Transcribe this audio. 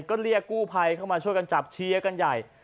ก็เรียกกู้ภัยเข้ามาช่วยกันจับเชียร์กันใหญ่